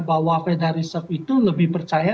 bahwa federal reserve itu lebih percaya